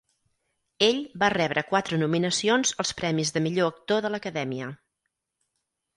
Ell va rebre quatre nominacions als premis de millor actor de l'Acadèmia.